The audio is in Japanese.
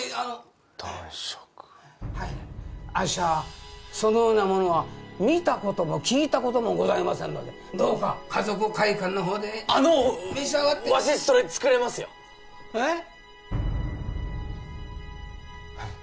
男爵あっしはそのようなものは見たことも聞いたこともございませんのでどうか華族会館の方であのわしそれ作れますよえッ？